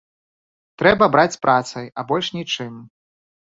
Трэба браць працай, а больш нічым.